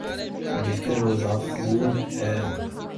بلکہ روزافزوں ہے